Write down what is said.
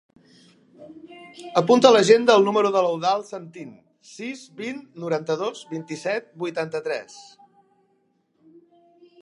Apunta a l'agenda el número de l'Eudald Santin: sis, vint, noranta-dos, vint-i-set, vuitanta-tres.